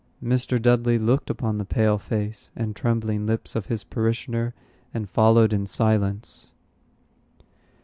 Mr. Dudley looked upon the pale face and trembling lips of his parishioner, and followed in silence.